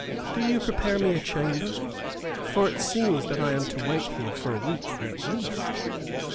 "Do you prepare me a chamber, for it seems that I am to wait here for a week at least."